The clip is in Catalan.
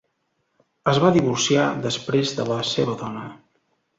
Es va divorciar després de la seva dona.